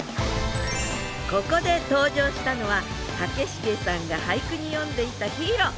ここで登場したのは武重さんが俳句に詠んでいたヒーロー。